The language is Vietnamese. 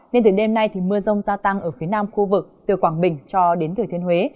nên từ đêm nay thì mưa rông gia tăng ở phía nam khu vực từ quảng bình cho đến thừa thiên huế